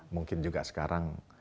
mungkin juga sekarang